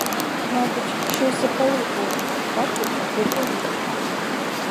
Мабуть, щось запалив ворог — хату або повітку.